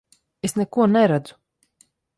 Es neko neredzu!